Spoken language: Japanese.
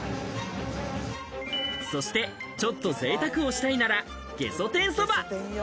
そしてちょっとぜいたくをしたいなら、ゲソ天そば。